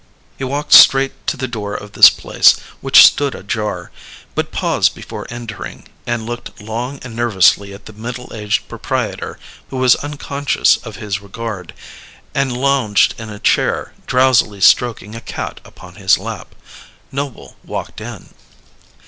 He walked straight to the door of this place, which stood ajar, but paused before entering, and looked long and nervously at the middle aged proprietor who was unconscious of his regard, and lounged in a chair, drowsily stroking a cat upon his lap. Noble walked in.